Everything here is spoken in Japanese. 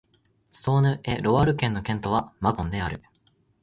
ソーヌ＝エ＝ロワール県の県都はマコンである